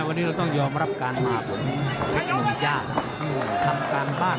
วันนี้ต้องยอมรับการมาล่ะครับ